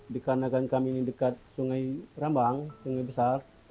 dikarenakan kami ini dekat sungai rambang sungai besar